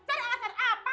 saya ada alasan apa